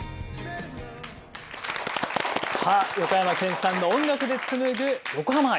さあ横山剣さんの音楽で紡ぐ横浜愛。